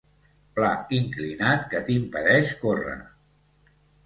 Pla inclinat que t'impedeix córrer.